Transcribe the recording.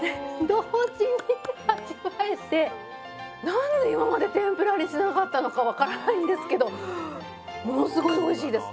何で今まで天ぷらにしなかったのか分からないんですけどものすごいおいしいです。